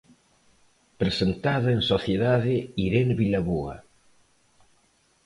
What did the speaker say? Presentada en sociedade Irene Vilaboa.